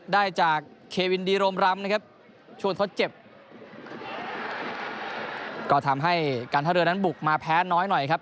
ได้จากเควินดีโรมรำนะครับช่วงทดเจ็บก็ทำให้การท่าเรือนั้นบุกมาแพ้น้อยหน่อยครับ